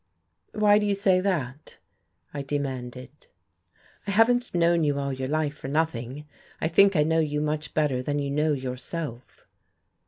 "Why do you say that?" I demanded. "I haven't known you all your life for nothing. I think I know you much better than you know yourself."